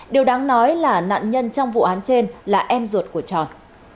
điều đáng nói là nạn nhân trong vụ án trên là em ruột của tròn